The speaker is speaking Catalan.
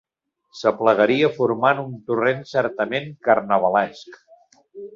S'aplegaria formant un torrent certament carnavalesc.